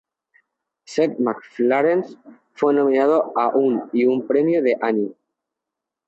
Seth MacFarlane fue nominado a un y a un Premio Annie.